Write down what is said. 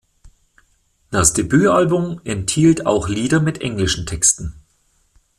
Das Debüt-Album enthielt auch Lieder mit englischen Texten.